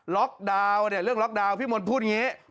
ล็อกดาวน์เนี่ยเรื่องล็อกดาวน์พี่มนต์พูดอย่างนี้